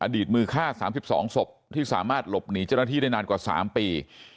ตมือฆ่า๓๒ศพที่สามารถหลบหนีเจ้าหน้าที่ได้นานกว่า๓ปี